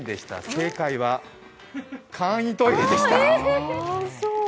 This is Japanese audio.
正解は簡易トイレでした。